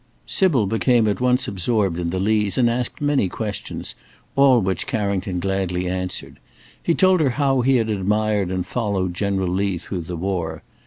Sybil became at once absorbed in the Lees and asked many questions, all which Carrington gladly answered. He told her how he had admired and followed General Lee through the war.